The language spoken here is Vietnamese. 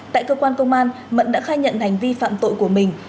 tại cơ quan công an mận đã khai nhận hành vi phạm tội của mình